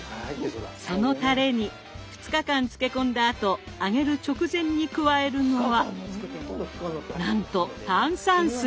そのたれに２日間漬け込んだあと揚げる直前に加えるのはなんと炭酸水。